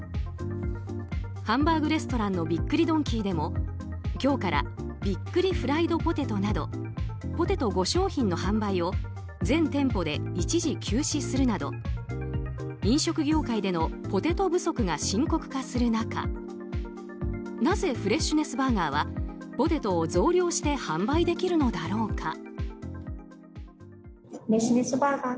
ハンバーグレストランのびっくりドンキーでも今日からびっくりフライドポテトなどポテト５商品の販売を全店舗で一時休止するなど飲食業界でのポテト不足が深刻化する中なぜフレッシュネスバーガーはポテトを増量して販売できるのだろうか。